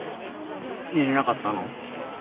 寝れなかったの？